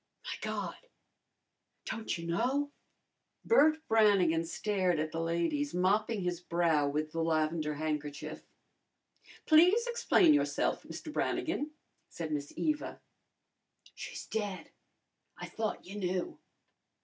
"My God! don't you know?" Bert Brannigan stared at the ladies, mopping his brow with the lavender handkerchief. "Please explain yourself, Mr. Brannigan," said Miss Eva. "She's dead. I thought you knew."